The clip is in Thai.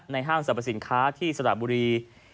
ห้างสรรพสินค้าที่สระบุรี